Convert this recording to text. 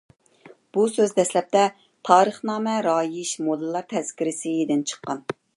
بۇ سۆز دەسلەپتە «تارىخنامە رايىش موللىلار تەزكىرىسى»دىن چىققان.